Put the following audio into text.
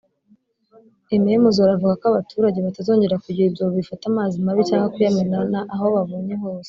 Aime Muzola avuga ko abaturage batazongera kugira ibyobo bifata amazi mabi cyangwa kuyamena aho babonye hose